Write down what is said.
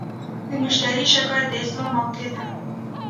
د مشتری شکایت د اصلاح موقعه ده.